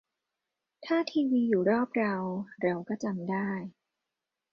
ถ้าทีวีอยู่รอบเรา เราก็จำได้